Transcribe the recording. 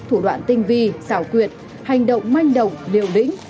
thủ đoạn tinh vi xảo quyệt hành động manh động liều lĩnh